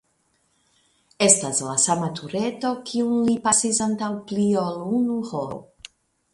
Estas la sama tureto, kiun li pasis antaŭ pli ol unu horo.